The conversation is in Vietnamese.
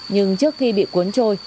nhưng trước khi bị cuốn trôi